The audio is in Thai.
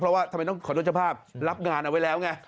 เพราะว่าทำไมต้องขอโทษเจ้าภาพรับงานเอาไว้แล้วไง